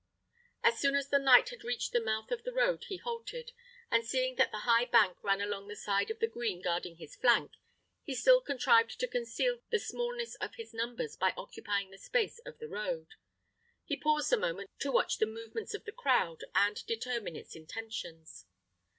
As soon as the knight had reached the mouth of the road he halted, and seeing that the high bank ran along the side of the green guarding his flank, he still contrived to conceal the smallness of his numbers by occupying the space of the road, and paused a moment to watch the movements of the crowd, and determine its intentions.